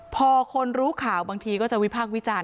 พอคนรู้ข่าวบางทีก็จะวิพากษ์วิจารณ